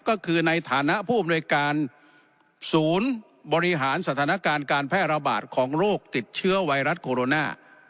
ก็คือในฐานะผู้อำนวยการศูนย์บริหารสถานการณ์การแพร่ระบาดของโรคติดเชื้อไวรัสโคโรนา